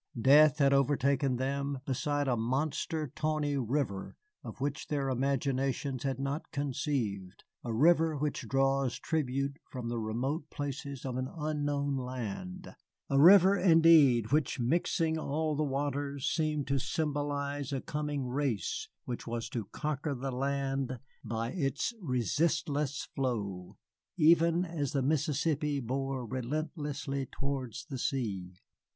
Death had overtaken them beside a monster tawny river of which their imaginations had not conceived, a river which draws tribute from the remote places of an unknown land, a river, indeed, which, mixing all the waters, seemed to symbolize a coming race which was to conquer the land by its resistless flow, even as the Mississippi bore relentlessly towards the sea.